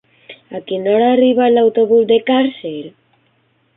A quina hora arriba l'autobús de Càrcer?